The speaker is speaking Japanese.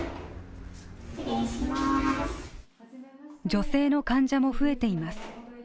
女性の患者も増えています。